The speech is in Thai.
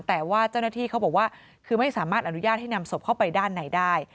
แต่ว่าเจ้าหน้าที่เขาบอกว่าคือไม่สามารถอนุญาตให้นำศพเข้าไปด้านในได้